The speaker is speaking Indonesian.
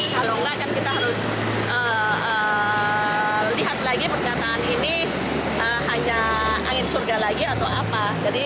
kalau enggak kan kita harus lihat lagi pernyataan ini hanya angin surga lagi atau apa